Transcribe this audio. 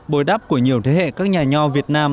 bồi đắp của nhiều thế hệ các nhà nho việt nam